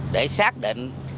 để xác định